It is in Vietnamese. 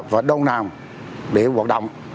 và đâu nào để hoạt động